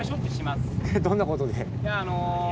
どんなことで？